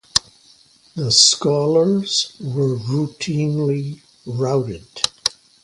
The scholars were eventually routed.